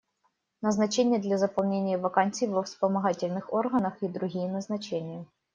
Назначения для заполнения вакансий во вспомогательных органах и другие назначения.